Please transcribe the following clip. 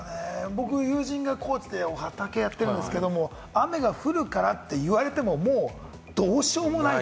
僕、友人が畑やってるんですけれども、雨が降るからって言われても、もうどうしようもない。